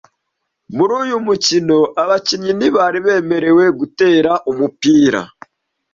Muri uyu mukino, abakinnyi ntibari bemerewe gutera umupira.